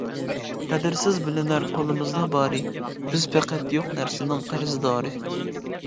قەدرىسىز بىلىنەر قۇلىمىزدا بارى، بىز پەقەت يوق نەرسىنىڭ قەرزدارى.